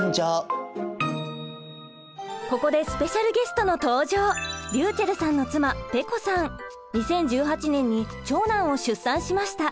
ここでスペシャルゲストの登場りゅうちぇるさんの２０１８年に長男を出産しました。